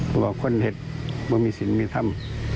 บอกว่าคนเห็นว่ามีสินมีธรรม